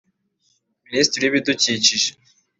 Minisitiri w’Ibidukikije